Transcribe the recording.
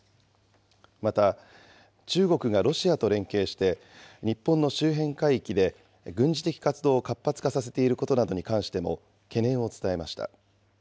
また、中国がロシアと連携して、日本の周辺海域で軍事的活動を活発化させていることなどに関しても懸念を伝えました。